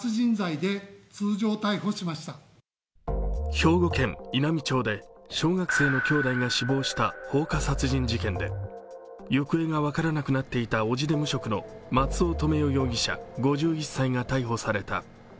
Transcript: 兵庫県稲美町で小学生の兄弟が死亡した放火殺人事件で、行方が分からなくなっていた伯父で無職の松尾留与容疑者５１歳が逮捕された。